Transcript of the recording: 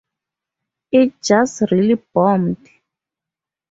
It just really bombed.